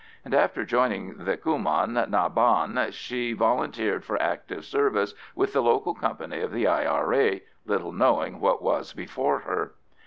And after joining the Cumann na Ban she volunteered for active service with the local company of the I.R.A., little knowing what was before her.